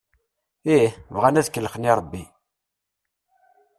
Ih, bɣan ad kellxen i Rebbi.